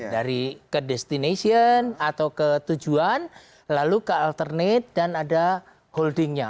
dari ke destination atau ke tujuan lalu ke alternate dan ada holdingnya